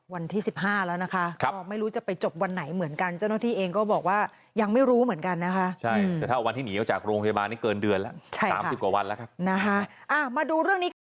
วันที่๑๕แล้วนะคะครับไม่รู้จะไปจบวันไหนเหมือนกันเจ้าหน้าที่เองก็บอกว่ายังไม่รู้เหมือนกันนะคะใช่แต่วันที่หนีออกจากโรงพยาบาลนี้เกินเดือนแล้ว๓๐กว่าวันแล้วนะฮะมาดูเรื่องนี้